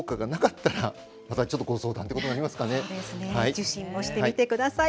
受診もしてみてください。